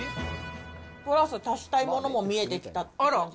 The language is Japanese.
プラス足したいものも見えてきたって感じ。